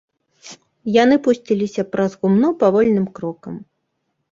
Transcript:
Яны пусціліся праз гумно павольным крокам.